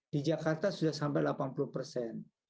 di jakarta sudah sampai delapan puluh persen